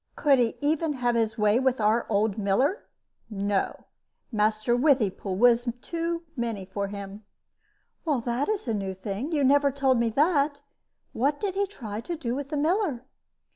Could he even have his way with our old miller? No; Master Withypool was too many for him." "That is a new thing. You never told me that. What did he try to do with the miller?"